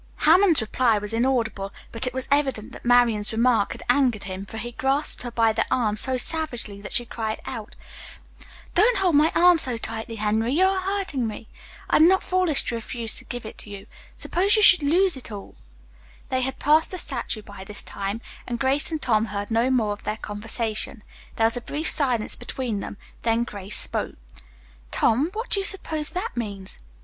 Hammond's reply was inaudible, but it was evident that Marian's remark had angered him, for he grasped her by the arm so savagely that she cried out: "Don't hold my arm so tightly, Henry, you are hurting me. I am not foolish to refuse to give it to you. Suppose you should lose it all " They had passed the statue by this time, and Grace and Tom heard no more of their conversation. There was a brief silence between them, then Grace spoke. "Tom, what do you suppose that means?"